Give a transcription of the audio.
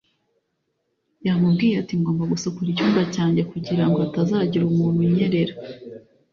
Yamubwiye ati ngomba gusukura icyumba cyanjye kugira ngo hatazagira umuntu unyerera